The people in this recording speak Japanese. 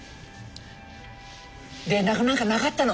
連絡何かなかったの？